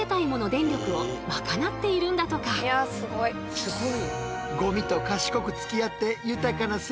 すごい。